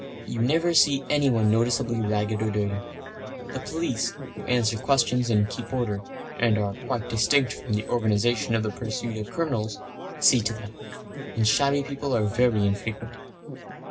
You never see anyone noticeably ragged or dirty; the police, who answer questions and keep order (and are quite distinct from the organisation for the pursuit of criminals) see to that; and shabby people are very infrequent.